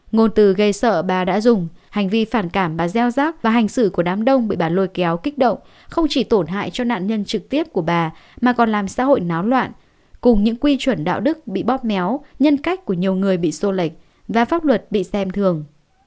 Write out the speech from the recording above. ngôn từ gây sợ bà đã dùng hành vi phản cảm bà gieo rác và hành xử của đám đông bị bà lôi kéo kích động không chỉ tổn hại cho nạn nhân trực tiếp của bà mà còn làm xã hội náo loạn cùng những quy chuẩn đạo đức bị bóp méo nhân cách của nhiều người bị sô lệch và pháp luật bị xem thường